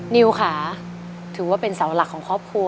นิวค่ะถือว่าเป็นเสาหลักของครอบครัว